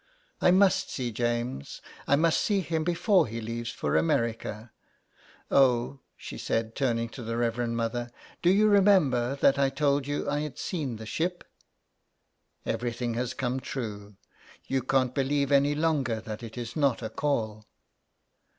'' I must see James. I must see him before he leaves for America. Oh," she said, turning to the Reverend Mother, '' do you remember that I told you I had seen the ship ? Everything has come true. You can't believe any longer that it is not a call."